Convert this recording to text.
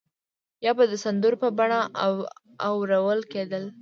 یا به د سندرو په بڼه اورول کېدل.